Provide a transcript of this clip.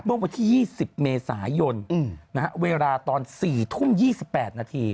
เมื่อวันที่๒๐เมษายนนะครับเวลาตอน๔ทุ่ม๒๘นาทีแปลกไหม